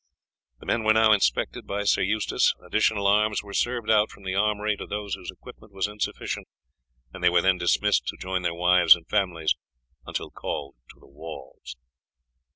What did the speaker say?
The men were now inspected by Sir Eustace, additional arms were served out from the armoury to those whose equipment was insufficient, and they were then dismissed to join their wives and families until called to the walls.